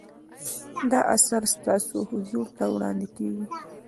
دا اثر ستاسو حضور ته وړاندې کیږي.